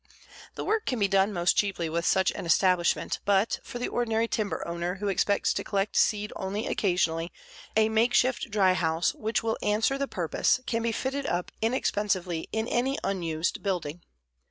The work can be done most cheaply with such an establishment, but for the ordinary timber owner who expects to collect seed only occasionally, a makeshift dry house which will answer the purpose can be fitted up inexpensively in any unused building.